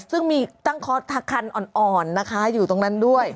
ซึ่งมีตั้งคอร์สคันอ่อนนะคะอยู่ตรงนั้นด้วย